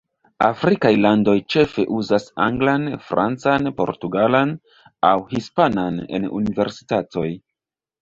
Afrikaj landoj ĉefe uzas anglan, francan, portugalan, aŭ hispanan en universitatoj.